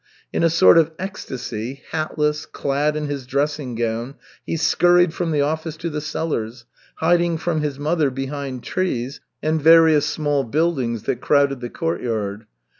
In a sort of ecstasy, hatless, clad in his dressing gown, he scurried from the office to the cellars, hiding from his mother behind trees and various small buildings that crowded the court yard.